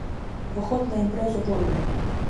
Уваход на імпрэзу вольны!